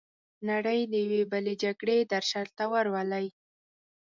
نړۍ د یوې بلې جګړې درشل ته ورولي.